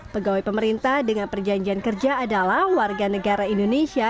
pegawai pemerintah dengan perjanjian kerja adalah warga negara indonesia